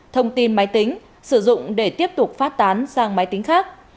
thông tin máy tính sử dụng để tiếp tục phát tán sang máy tính khác